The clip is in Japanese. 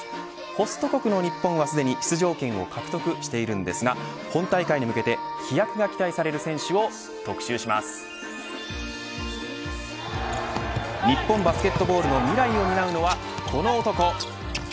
ホスト国の日本は、すでに出場権を獲得していますが本大会に向けて飛躍が日本バスケットボールの未来を担うのはこの男。